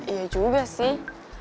iya juga sih